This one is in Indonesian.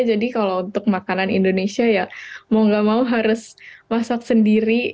jadi kalau untuk makanan indonesia ya mau nggak mau harus masak sendiri